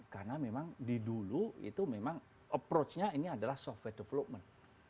karena memang di dulu itu memang approach nya ini adalah software development